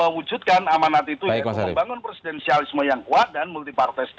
baik mas harif